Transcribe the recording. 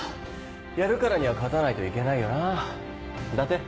やるからには勝たないといけないよな伊達。